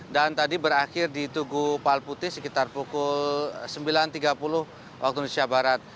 dan tadi berakhir di tugu palputis sekitar pukul sembilan tiga puluh waktu indonesia barat